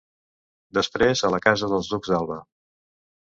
Després a la casa dels ducs d'Alba.